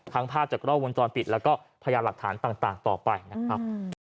ภาพจากกล้องวงจรปิดแล้วก็พยานหลักฐานต่างต่อไปนะครับ